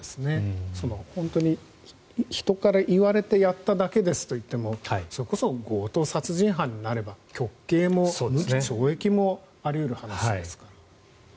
本当に人から言われてやっただけですと言ってもそれこそ強盗殺人犯になれば極刑も無期懲役もあり得る話ですから。